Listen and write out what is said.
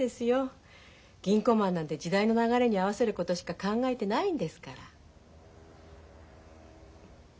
銀行マンなんて時代の流れに合わせることしか考えてないんですから。